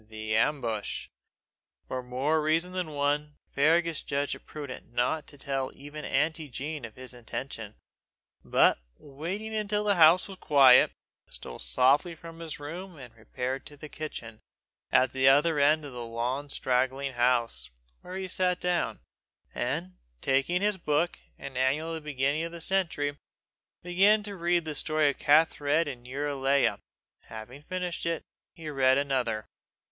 THE AMBUSH. For more reasons than one, Fergus judged it prudent to tell not even auntie Jean of his intention; but, waiting until the house was quiet, stole softly from his room and repaired to the kitchen at the other end of the long straggling house, where he sat down, and taking his book, an annual of the beginning of the century, began to read the story of Kathed and Eurelia. Having finished it, he read another.